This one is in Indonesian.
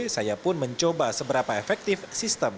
saya pun mencoba seberapa efektif sistem